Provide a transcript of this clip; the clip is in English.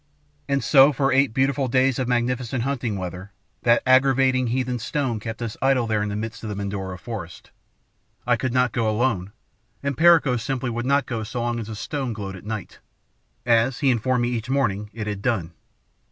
"And so, for eight beautiful days of magnificent hunting weather, that aggravating heathen stone kept us idle there in the midst of the Mindoro forest. I could not go alone, and Perico simply would not go so long as the stone glowed at night, as, he informed me each morning, it had done.